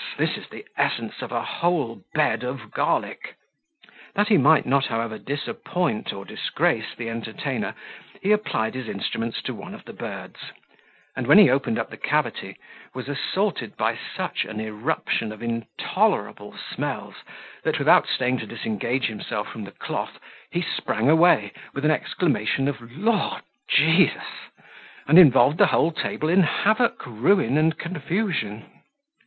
this is the essence of a whole bed of garlic!" That he might not, however, disappoint or disgrace the entertainer, he applied his instruments to one of the birds; and when he opened up the cavity, was assaulted by such an irruption of intolerable smells, that, without staying to disengage himself from the cloth, he sprang away, with an exclamation of "Lord Jesus!" and involved the whole table in havoc, ruin, and confusion.